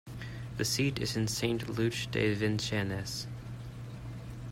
The seat is in Saint-Luc-de-Vincennes.